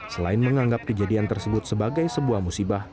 selain menganggap kejadian tersebut sebagai sebuah musibah